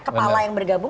kepala yang bergabung